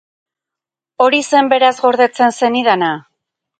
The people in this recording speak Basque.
Hori zen beraz gordetzen zenidana?